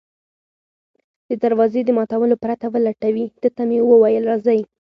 د دروازې د ماتولو پرته ولټوي، ده ته مې وویل: راځئ.